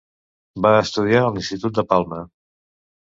Va estudiar a l'Institut de Palma.